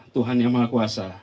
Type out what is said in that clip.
tuhan yang maha kuasa